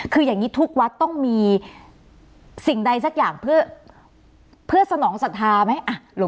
คืออย่างนี้ทุกวัดต้องมีสิ่งใดสักอย่างเพื่อสนองศรัทธาไหม